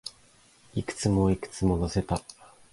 いくつも、いくつも乗せた